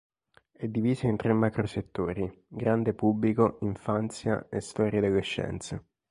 È divisa in tre macro-settori: grande pubblico, infanzia e storia delle scienze.